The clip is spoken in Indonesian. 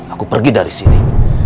aku pergi dari sini